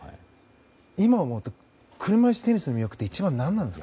今思うと車いすテニスの魅力って一番は何ですか？